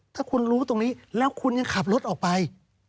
ถ้าคุณรู้ตรงนี้แล้วคุณยังขับรถออกไป